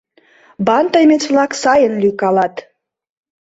— Бантамец-влак сайын лӱйкалат.